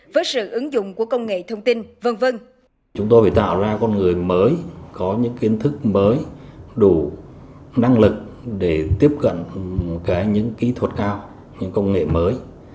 chúng tôi phải tạo ra con người mới có những kiến thức mới đủ năng lực để tiếp cận những kỹ thuật cao những công nghệ mới